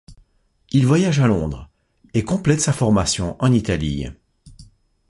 Il voyage à Londres, et complète sa formation en Italie.